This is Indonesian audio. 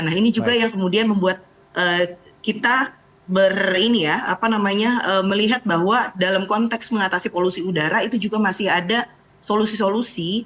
nah ini juga yang kemudian membuat kita melihat bahwa dalam konteks mengatasi polusi udara itu juga masih ada solusi solusi